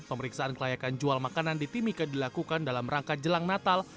pemeriksaan kelayakan jual makanan di timika dilakukan dalam rangka jelang natal